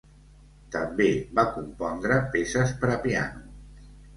També va compondre peces per a piano.